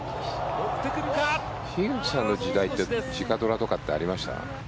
樋口さんの時代って直ドラとかってありました？